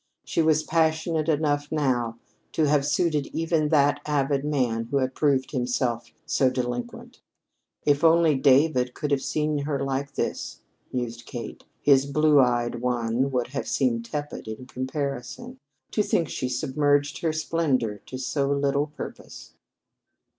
She was passionate enough now to have suited even that avid man who had proved himself so delinquent. "If only David could have seen her like this!" mused Kate. "His 'Blue eyed One' would have seemed tepid in comparison. To think she submerged her splendor to so little purpose!"